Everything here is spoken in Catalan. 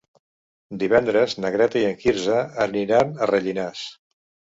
Divendres na Greta i en Quirze aniran a Rellinars.